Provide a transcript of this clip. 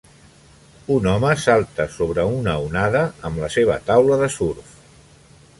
Un home salta sobre una onada amb la seva taula de surf.